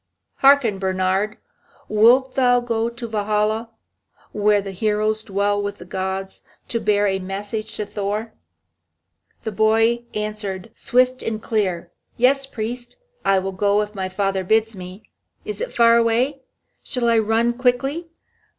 Hearken, Bernhard, wilt thou go to Valhalla, where the heroes dwell with the gods, to bear a message to Thor?" The boy answered, swift and clear: "Yes, priest, I will go if my father bids me. Is it far away? Shall I run quickly?